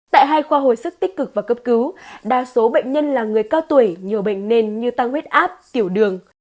tại hai khoa hồi sức tích cực và cấp cứu đa số bệnh nhân là người cao tuổi nhiều bệnh nền như tăng huyết áp tiểu đường